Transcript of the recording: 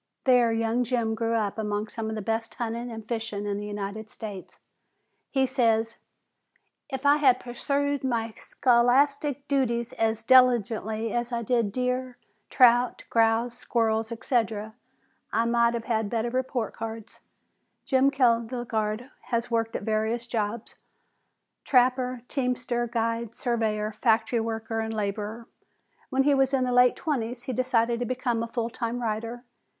There young Jim grew up among some of the best hunting and fishing in the United States. He says: "If I had pursued my scholastic duties as diligently as I did deer, trout, grouse, squirrels, etc., I might have had better report cards!" Jim Kjelgaard has worked at various jobs trapper, teamster, guide, surveyor, factory worker and laborer. When he was in the late twenties he decided to become a full time writer.